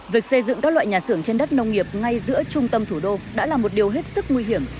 việc xây dựng các loại nhà xưởng trên đất nông nghiệp ngay giữa trung tâm thủ đô đã là một điều hết sức nguy hiểm